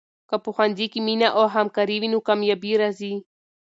که په ښوونځي کې مینه او همکاري وي، نو کامیابي راځي.